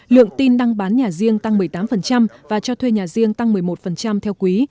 lượng tin đăng bán nhà riêng tăng một mươi tám và cho thuê nhà riêng tăng một mươi một theo quý